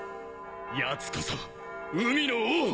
やつこそ海の王！